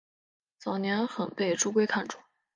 早年很被朱圭看重。